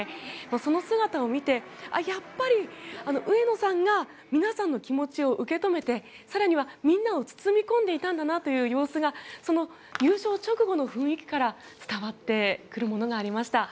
その姿を見て、やっぱり上野さんが皆さんの気持ちを受け止めて更には、みんなを包み込んでいたんだなという様子がその優勝直後の雰囲気から伝わってくるものがありました。